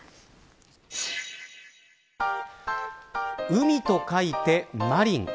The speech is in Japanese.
海と書いて、まりん。